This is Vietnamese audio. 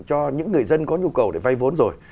cho những người dân có nhu cầu để vay vốn rồi